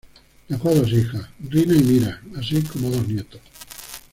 Dejó a dos hijas Rina y Mira, así como dos nietos.